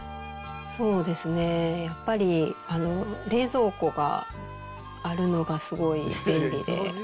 そうですね、やっぱり冷蔵庫があるのがすごい便利で。